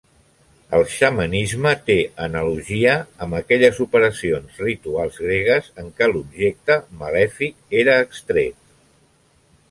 El xamanisme té analogia amb aquelles operacions rituals gregues en què l'objecte malèfic era extret.